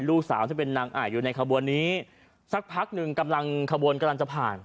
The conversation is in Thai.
ลูกสาวที่เป็นนางอ่าอยู่ในขบวนนี้สักพักหนึ่งกำลังขบวนกำลังจะผ่าน